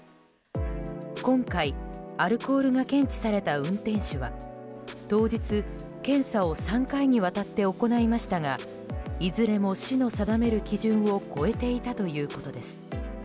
今回アルコールが検知された運転手は当日、検査を３回にわたって行いましたがいずれも市の定める基準を超えていたということです。